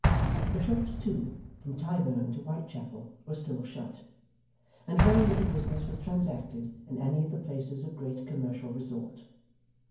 The shops, too, from Tyburn to Whitechapel, were still shut; and very little business was transacted in any of the places of great commercial resort.